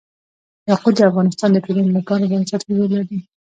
یاقوت د افغانستان د ټولنې لپاره بنسټيز رول لري.